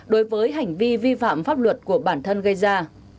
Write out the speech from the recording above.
đối với hành vi vi phạm pháp luật của bản thân gây ra